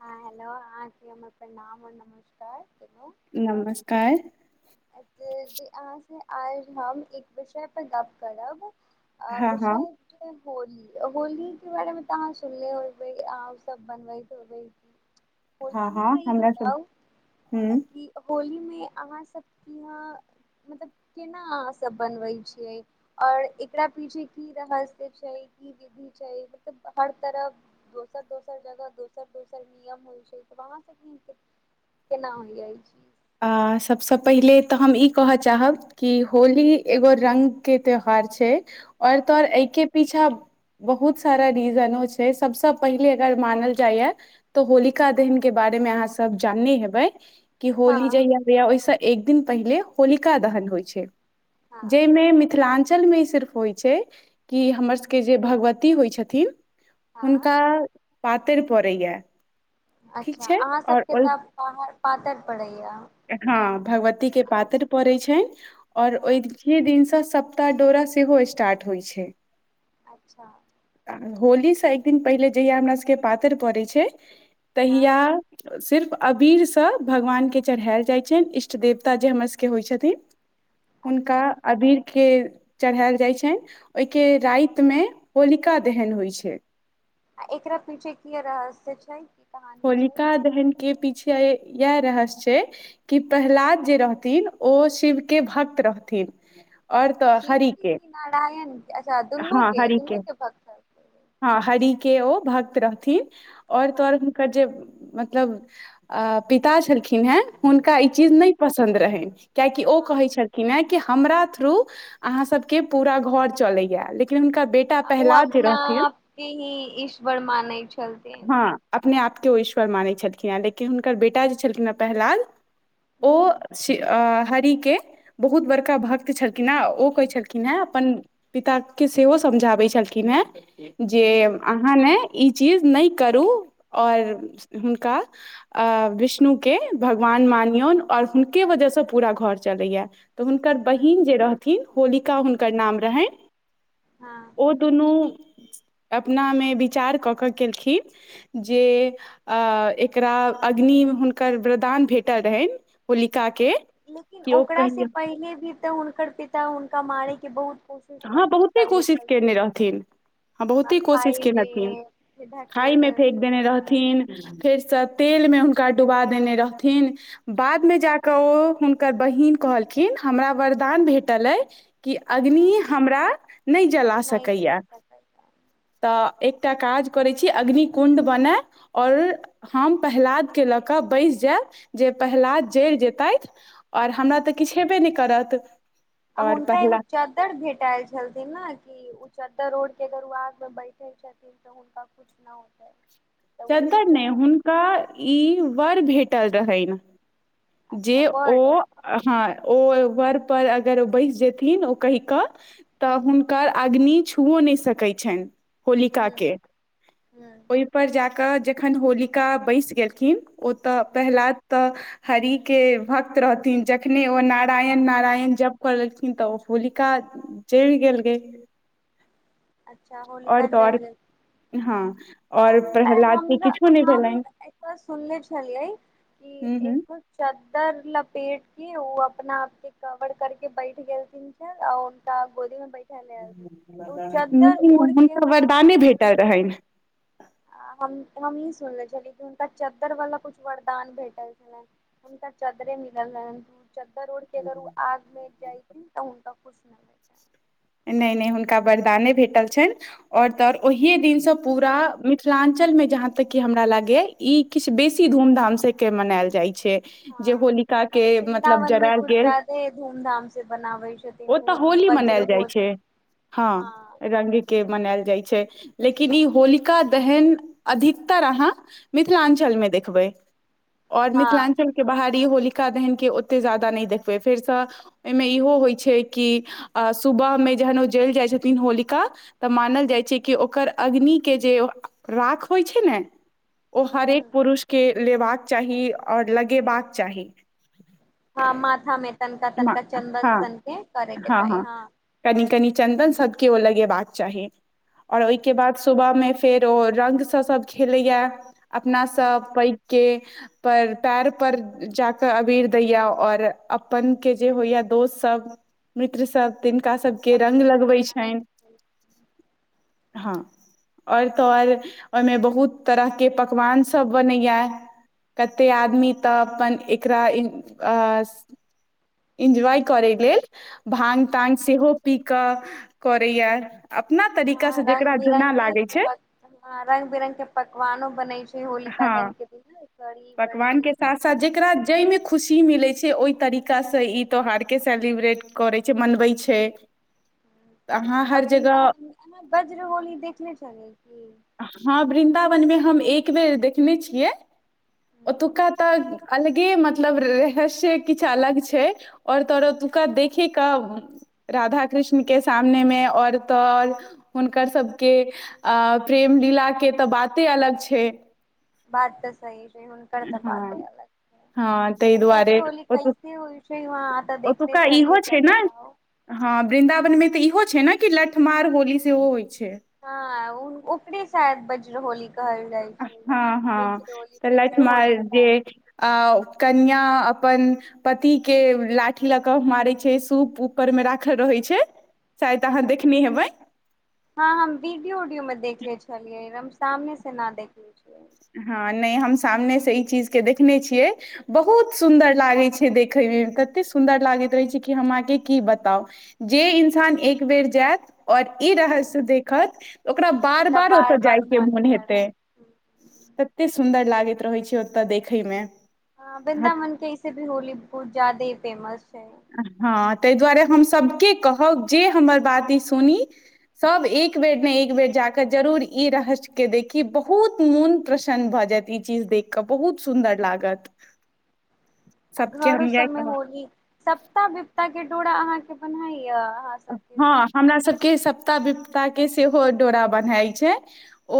हँ, हेलो अहाँक हमर प्रणाम और नमस्कार। केलहुँ नमस्कार। अहाँसँ आइ हम एक विषय पर गप्प करब। हँ हँ विषय छै। होली, होलीे बारे में तऽ अहाँ सुनले होैबै अह ओ सब बनबैत होबै। हँ अहाँ हँ हमरा ई सब बताओ हुँ कि होली। में अहाँ सब। क ह मतलब केना अहाँ सब बनबै छियै और एकरा पीछे की रहस्य छै, की विधि छै, मतलब हर तरह दोसर- दोसर जगह दोसर-दोसर नियम होइ छै त अहाँ सब केना होइयै ई चीज। आ सभसँ पहिले तऽ हम ई कहय चाहब कि होली एगो रङ्गके त्यौहार छै। और तोर एहिके पीछा। बहुत सारा रीजनो छै, सबसँ पहिले अगर मानल जाइये तऽ होलिका दहनक के बारे में अहाँ सब जानने हेबै। कि हँ होली। जहिया-जहिया ओहिसँ। एक दिन पहिले होलिका दहन होइ छै। हँ जाइ में मिथिलाञ्चल। लमे सिर्फ हो छै। कि हमर सबके जे भगवत। की होइ छथिन। हँ हुनका। पातैइर परै या। अच्छा अहाँ सबके तऽ बाहर। पातरि पड़ै। हँ भगवती के पातरि पड़ैत छनि। [unintelligible] और हँ ओही दिनसँ। सप्ता-डोरा सेहो स्टार्ट होइ छै। अच्छा। होली से एक दिन पहिले जहिया हमरा सबके पातरि पड़ै छै। तहिया हँ सिर्फ। अबीरसँ भगवान के। चढ़ायल जाइ छनि, इष्ट देवता जे हमर सबके होइ छथिन। उनका अच्छा अबीर ख। चढ़ायल जाइत छनि, ओहिके राति में। आ एकरा पीछे की रहस्य अछि। जाइक। होलिका दहन के पीछे। इहे रहस्य छै। की प्रहलाद जे रहथि। थिन ओ शिव के भक्त रहथिन। और तऽ शिव हरि के की नारायण अच्छा दुन्नू हँ के हरि दुन्नू के भक्त रहथिन। हँ हरि के ओ भक्त रहथिन। आऔर हँ तोर। जे मतलब पिता छलखिन हेँ। हुनका ई हूँ चीज नइ पसन्द रहनि। कियाकि ओ हँ कहै छलखिन हेँ। कि हमरा थ्रू अहाँ सबके पुरा घर चलैयै। ओ अपना-आपके ही ईश्वर मानहि छलथिन। हँ अपने आपके ओ ईश्वर मानैत छलखिन हेँ लेकिन हुनकर बेटा जे छलखिन हेँ पहलाद। ओ हूँ श आ। हरि के बहुत बड़का भक्त छलखिन हे, ओ कहै छलखिन हेँ अपन पिता के सेहो समझाबै छलखिन हेँ। जे हूँ अहाँ ने। ई चीज नहि करू। आओर हुनका विष्णुके भगवान मानियौन आओर हुनके वजहसँ पूरा घर चलैए। तऽ हुनकर हूँ बहिन जे रहथिन। होलिका हुनक। के नाम रहैन हँ ओ दुनू। अपना में विचार कऽ कऽ केलखिन। जे एकरा अग्नि हुनकर वरदान भेटल रहनि होलिका के। लेकिन ओकरा से पहिले भी तऽ हुनकर पिता हुनका मारेके बहुत। कोशिश कर हँ बहुते करने कोशिश छलखिन केने रहथिन, हँ हेँ बहुते कोशिश खाइ केने रहथिन मे फेर धकेल खायमे देलखिन फेेक देने हेँ रहथिन फेरसँ। तेल में हुनका डुबा देने रहथिन। बाद में जा कऽ ओ। हुनकर बहिन कहलखिन हमरा वरदान भेटल अइ। क अग्नि। अच्छा हमरा नहि जला नहि सकैय चला सकल तऽ। तय काज करैत छी अग्निकुण्ड बनय, आओर हम पहलादकेँ लऽ कऽ बैसि जायब जे पहलाद जरि जेतैथि। और हमरा तऽ किछु हबे नहि। करत। आ आओर हुनका प्रह्लाद एगो चद्दैर भेट। ल छलथिन ने, कि उ चद्दर ओड्ह के अगर आग मे बैठल छथिन तऽ हुनका कुछ न होतै। तऽ वही चद्दर ने हुनका ई वर भेट। टल रहैन। अच्छा जे वर्ड ओ हँ ओ। वर पर अगर ओ बैस जेथिन ओ कहि कऽ। तऽ हुनकर अग्नि। छुवो न सकै छैन। होलिका ह के, ह ओहिपर जा कऽ जे। खन होलिका बैस गेलखिन। ओ तऽ पहिलाद तऽ। हरि के भक्त रहथिन, जखने ओ नारायण-नारायण जप कलेखिन तऽ ओ होलिका जरि गेल गे। अच्छा होलिका आओर तऽ जल आओर गेल, हँ आओर प्रहलाद के हम किछो नहि हम भेलनि एत्त सुनले छलियै कि हूँ हूँ एक। चद्दर लपेट के ओ अपना आप के कवर कर के बैठ गेलथिन छै औ उनका गोदी में बैठ। ह त। नहि नहि हुनका वरदाने भेटल रहनि। हम हम ई सुनले छली क कि हुनका चद्दर वाला कुछ वरदान भेटल छलनि हुनका चद्दरे मिलल रहैन। चद्दर ओइढ के अगर ओ आग में जाइथिन तऽ। तऽ किछु नहि होै छै। नइ-नइ हुनका वरदाने भेटल छैन। और तऽ और ओहिेये दिनसँ। पूरा मिथिलांचल में जहाँ तक की हमरा लागे। ई किछु बेसी धूम-धाम से। के मनायल जाइ। छे जे हँ होलिका मतलब वृन्दावन मे जराल कुछ गेल, ज्यादे धूमधाम से बनाबै छथिन ओतऽ होली वज्र मनैल होली जाइ। हँ रंग के मने। जाइ छै, लेकिन ई होलिका दहन अधिकतर अहाँ मिथिलाञ्चलमें देखबै। और हँ मिथिलाञ्चल के बाहर। होलिकादहन के ओते जादा नहि देखबै, फेरसँ ओहिमें इहो होइ छै कि। सुबह में जखन ओ जइल जाइ छथिन होलिका तऽ मानल जाइ छै कि ओकर अग्नि के जे राख होइ छै ने। ओ हूँ हरेक हूँ पुरुष के। लेबाक चाही, आओर लगेबाक चाही। हँ माथा में। हँ, के हँ चाही हँ कनि- कनि चन्दन सद। केओ लगेबाक चाही। आओर ओहिके हूँ बाद सुबह में। फेर ओ रंगसँ सब खेलैया। अपना हूँ सब पैघ के। पर पैर पर जाके अबीर दैयऽ और अप। अपन के जे होयै दोस्त सब मित्र सब। तिनका सबके रंग साथ लगबै भगवान छनि। हँ और तऽ और ओहिमे बहुत तरहके पकवान सब बनैया कते आदमी तऽ अपन एकरा अ। इनज्वाय करै लेल। भाग- तांग सेहो पी कऽ। करैयऽ। हँ रंग बिरङंगगके छै ह रंग बिरङ्ंगगके पकवानो बनै छै होलिका हँ दहनके दिन कड़ी- बड़ी। पकवान के साथ साथ जेकरा जाहिमे खुशी मिलै छै ओहि तरीका। तरीका से ई त्यौहार के सेलिब्रेट करै छै, मनबै छै। अहाँ आ हर जगह वृन्दावन अहाँ बज्रहोली देखले छलियै की। हँ बृन्दा। न में हम एक बेर देखने छियै। ओतुका तऽ। अलगे मतलब रहस्य किछ अलग छै, और तो ओतुका देखे के राधा कृष्ण के सामने में और तऽ और हुनकर सबके अ। प्रेम -लीला के तऽ बाते अलग छै। बात तऽ सही छै, हुनकर तऽ बाते हँ अलग हँ ताहि छैै। दुआरे क होली ओतु कैसे होइ छै वहाँ तऽ देखने ओतुका छलली इहो त छै ने बताउ। हँ वृन्दावन मे तऽ इहो छै ने कि लठ्ठमार होली सेहो होइ छै। हँ ह। की शायद बज्रहोली। कहल जाइ छै हँ, बिजरोली हँ लठ्ठमार बिजरहोली जे शायद अ। कनिया अपन पति के लाठी लऽ कऽ मारै छै सूप ऊपर में राखल रहै छै। शायद अहाँ देखने हेबै। हँ हम वीडियो- उडियो में देखले छलियै, सामने से न देखले छल। हँ नहि हम सामने से ई चीज के देखने छियै, बहुत सुन्दर लागे छै देखे में ततेऽ सुन्दर लागैत रहे छै कि हम अहाँके की बताउ जे इंसान एक बेर जायत और। ई रहस्य देखत ओकरा ओकरा बार-बार बार ओतऽ बार जायके मन मोन हेतै। करत तते सुन्दर लागैत रहैत छै ओतऽ देखै में। हँ, वृन्दावन के इे भी होली बहुत जादे फेमस। छै हँ। ताहि दुआरे हम सभके कहब जे हमर बात ई सुनी सभ एक बेर ने एक बेर जाकऽ जरूर ई रहस्यके देखी बहुत मोन प्रसन्न भऽ जायत ई चीज देख कऽ बहुत सुन्दर लागत। अ सबके घरो हम इएह सबमें कहब होली सब। सप्ता -विपता के डोरा अहाँ के बनाई। हँ हमरा सबके सभ। सप्ता -विपता के सेहो डोरा बन्हाइ छै।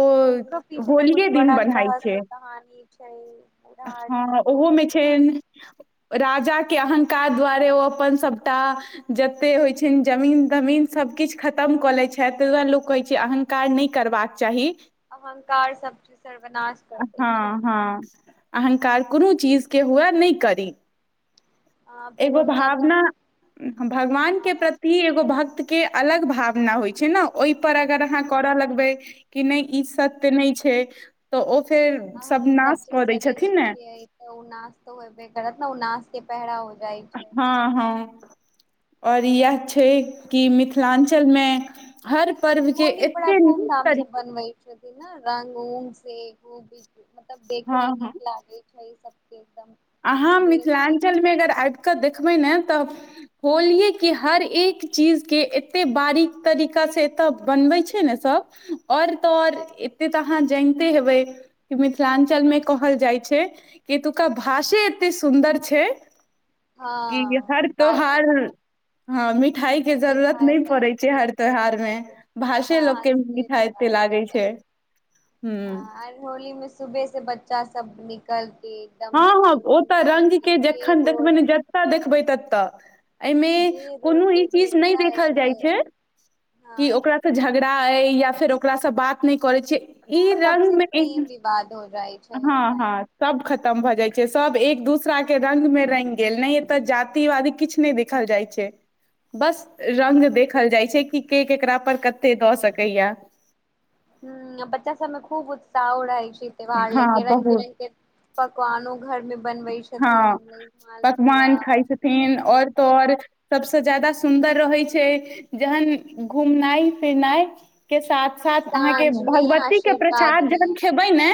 ओ ओकरो पीछे तऽ कुछ होलिये दिन बड़ा के बन्हाइ छै रहस्य कहानी। छै। बुढ़ारी हँ दुःख ओहो में छै राजा। के अहंकार द्वारे ओ अपन सभटा जते होइ छनि जमीन- तमीन सभ किछु खतम कऽ लैत छथि ताहि दुआरे लोक कहै छै अहंकार नहि करबाक चाही। अहंकार सभचीज सर्वनाश कर दै छै। हँ हँ अहंकार कोनो चीज के हुए नइ करी। आ फिर एगो हुनका भावना। ह। भगवान हँ के हँ प्रति एगो भक्त। के अलग भावना होइ छै ने, ओहि पर अगर हँ अहाँ करऽ लगबै कि नहि ई सत्य नहि छै तऽ। फेर अहां सब ई नाश सबसे कऽ दै श्रेठ छथिन ने छिय त न तऽ होबे करत उ नाश। पात। हँ हँ। आओर इएह छै कि मिथिलाञ्चलमें हर। पर्वके होली बड़ा एते नीक धूमधाम से तरीका बनबै छथि ने रंग। [unintelligible] मतलब हँ देखमें हँ नीक लागे। छै सबके। एकदम अहाँ सबेरे सबेरे से मिथिलाञ्चलमें अगर आबि कऽ देखबै ने। त होलियए के हर एक चीज के एते बारीक तरीका से एतऽ बनबै छै ने सब, आओर तऽ आओर एते तऽ अहाँ जानिते हेबै कि मिथिलाञ्चलमें कहल जाइ छै एतुका। भाषे एते सुन्दर छै। की हँ हर बात त्योहार। हँ। मिठाई के जरूरत नहि पड़ैत छै हर त्यौहारमें, भाषे हँ लोकके से तऽ मिठाइ एते बात लागै छै ह। सुबहसँ बच्चा सब निकल। के हँ एकदम हँ रंग उंग ओतऽ लेके रङ्ंगके जे जखन देखबै रोड ने जतय देखबै ततऽ। एयमें जे रोड कोनो ई पे चीज भेट नहि देखल जाय ओकरे छै कि हँ ओकरा से झगड़ा। अऽ या फेर ओकरासँ बात नहि कर। करै छीयै, हँ ई रंग सबसे में प्रेम ऐहन विवाद हो जाइ छै हँ ओ टाइम हँ सब खतम्। तम भऽ जाइ छै सब एक दूसराके रंग में रंगि गेल, नहि एतऽ जातिवादी किछ नहि देखल जाइ छै बस रंग देखल जाइ छै, कि के केकरा पर कते दऽ सकैये। हू बच्चा सबमें खूब उत्साह रहय छै। त्योहार हँ लेके रङंग- बहुत बिरंग के पकवानो। घर में बनबै छथिन हँ पकवान खाइ मालपुआल, छथिन और तऽ दहीबड़ा। और सबसँ ज्यादा सुन्दर रहै छै, जहन घूमनाइ-फिरनाइ के साथ। साथ अहाँके साँझ मे भगवती के आशीर्वाद प्रसाद जखन मे खेबै ने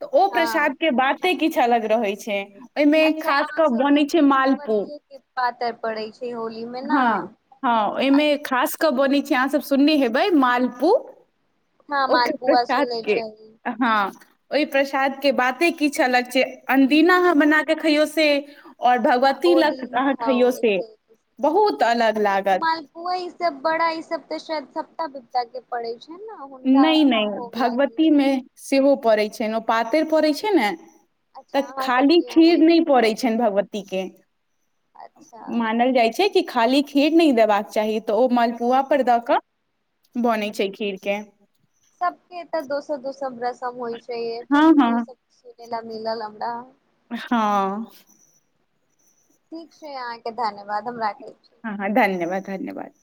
तऽ ओ हँ प्रसाद के बाद। कते किछ अलग रहै छै। ओहिमे अच्छा खास अहाँ कऽ सभके बनै छै तऽ मालपुआ भगवतीएके पातरि पड़ै छै होली में ने। हँ हँ ओहिमे खास कऽ बनै अहाँ सब सुनने हेबै मालपू। हँ ओकर मालपुआ प्रसाद सुनै के छै हँ। ओहि प्रसाद के बाते किछ अलग छै, अन्दीना। बना क खइयो से। और ओ भगवती लग दिन अहाँ खाओ खइयौ से बहुत अलग लागत मालपुआ ई सब बड़ा ई सब तऽ शायद सप्ता- बिपता के। पढ़ै। नइ- नइ भगवती छै में सेहो पड़ैत छैन। पातरि पड़ै छै ने। अच्छा तऽ अहाँ खाली सबके यहाँ खीर होइ नहि पड़ै छै छइन भगवती के। अच्छा मानल जाइ छै। कि खाली खीर नहि देबाक चाही, तऽ ओ मलपुआ पर द क। हूँ बनै छै खीर के। सबके तऽ दोसर -दोसर। सब रसम होइ छै। हँ हँ सब सुने ल मिलल हमरा। हँ ठीक छै अहाँके धन्यवाद हम राख। हँ हँ धन्यवाद। धन्यवाद।